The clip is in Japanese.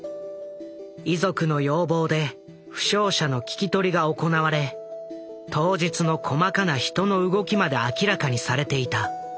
遺族の要望で負傷者の聞き取りが行われ当日の細かな人の動きまで明らかにされていた。